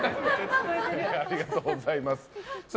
ありがとうございます。